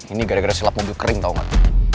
ini gara gara selap mobil kering tau gak